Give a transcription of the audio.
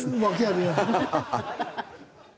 ハハハハ！